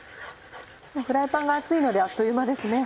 フライパンが熱いのであっという間ですね。